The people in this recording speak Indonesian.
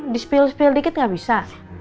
dispil spil dikit gak bisa